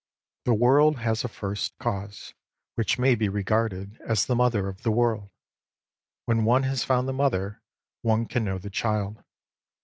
The World has a First Cause, which may be re garded as the Mother of the World. When one has found the Mother, one can know the Child.